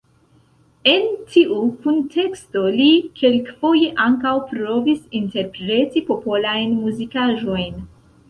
En tiu kunteksto li kelkfoje ankaŭ provis interpreti popolajn muzikaĵojn.